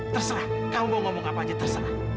terserah kamu mau ngomong apa aja terserah